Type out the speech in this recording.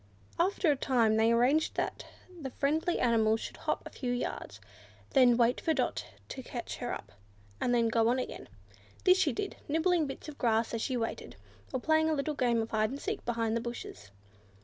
After a time they arranged that the friendly animal should hop a few yards, then wait for Dot to catch her up, and then go on again. This she did, nibbling bits of grass as she waited, or playing a little game of hide and seek behind the bushes.